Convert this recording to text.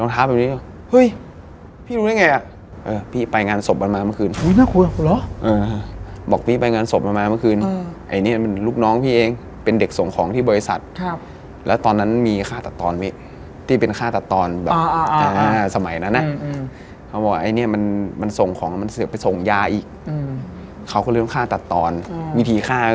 แต่ความรู้ที่ดีผมผมจะถือว่า